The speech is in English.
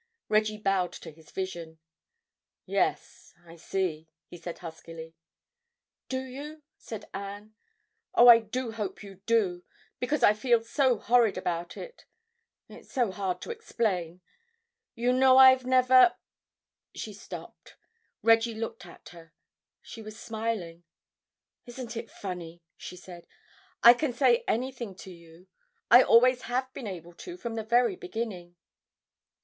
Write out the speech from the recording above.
Reggie bowed to his vision. "Yes, I see," he said huskily. "Do you?" said Anne. "Oh, I do hope you do. Because I feel so horrid about it. It's so hard to explain. You know I've never—" She stopped. Reggie looked at her. She was smiling. "Isn't it funny?" she said. "I can say anything to you. I always have been able to from the very beginning."